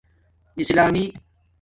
اسلامی